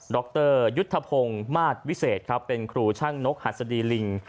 รยุทธพงศ์มาสวิเศษครับเป็นครูช่างนกหัสดีลิง